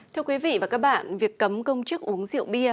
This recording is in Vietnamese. thưa quý vị và các bạn việc cấm công chức uống rượu bia